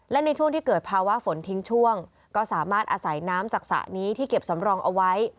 และในช่วงที่เกิดภาวะฝนทิ้งช่วงก็สามารถอาศัยน้ำจากสระนี้ที่เก็บสำรองเอาไว้